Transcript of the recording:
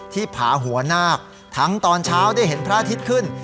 ผาหัวนาคทั้งตอนเช้าได้เห็นพระอาทิตย์ขึ้น